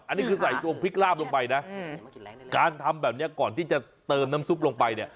อันนี้คือใส่ตัวพริกลาบลงไปนะการทำแบบนี้ก่อนที่จะเติมน้ำซุปลงไปเนี่ย